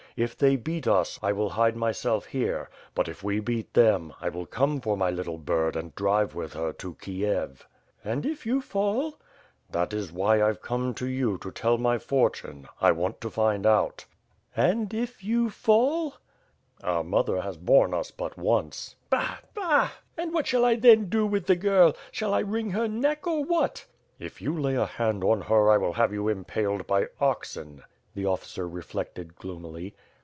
If they beat us, I will hide myself here; but if we beat them, I will come for my little bird and drive with her to Kiev." "And if you fall?" "That is why Pve come to you to tell my fortune. I want to find out." "And if you fall?" "Our mother has borne us but once." "Bah! bah! And what shall I then do with the girl? Shall I wring her neck, or what?" "If you lay a hand on her I will have you impaled by oxen." The officer reflected gloomily.